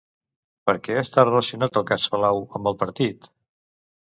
Per què està relacionat el cas Palau amb el partit?